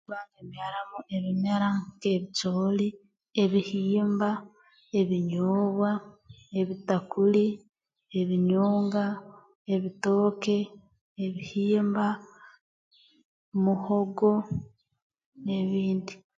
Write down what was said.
Mbanza mbyaramu ebimera nk'ebicooli ebihimba ebinyoobwa ebitakuli ebinyonga ebitooke ebihimba muhogo n'ebindi